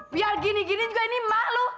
biar gini gini juga ini malu